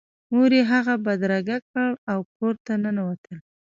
مور یې هغه بدرګه کړ او کور ته ننوتل